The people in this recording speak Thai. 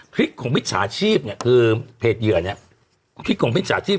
คลิปของมิจฉาชีพเนี่ยคือเพจเหยื่อเนี้ยคลิกของมิจฉาชีพ